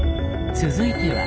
続いては。